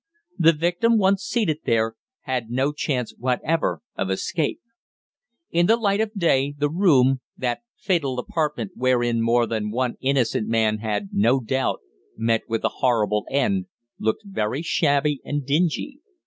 The victim, once seated there, had no chance whatever of escape. In the light of day, the room that fatal apartment wherein more than one innocent man had, no doubt, met with a horrible end looked very shabby and dingy.